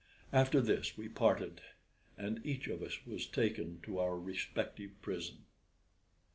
After this we parted, and each of us was taken to our respective prison.